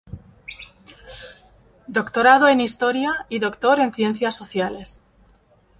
Doctorado en Historia y doctor en Ciencias Sociales.